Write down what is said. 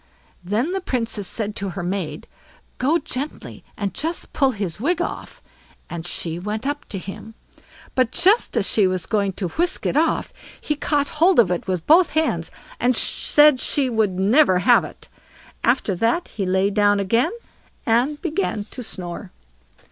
Then the Princess said to her maid: "Go gently, and just pull his wig off"; and she went up to him. But just as she was going to whisk it off, he caught hold of it with both hands, and said she should never have it. After that he lay down again, and began to snore.